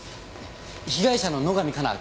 被害者の野上加奈